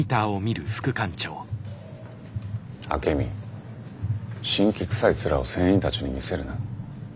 アケミ辛気くさい面を船員たちに見せるな。